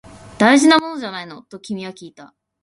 大事なものじゃないの？と君はきいた